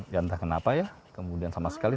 ya entah kenapa ya kemudian sama sekali